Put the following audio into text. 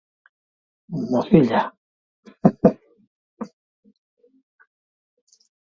Ekialdetik sinesmen hauek mendebaldera heldu ziren.